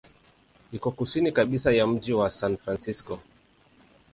Iko kusini kabisa ya mji wa San Francisco.